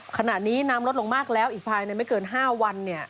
ขณะนี้น้ำลดลงมากแล้วอีกภายในไม่เกิน๕วัน